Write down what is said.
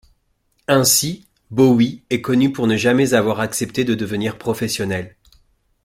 Ainsi, Bowie est connu pour ne jamais avoir accepté de devenir professionnel.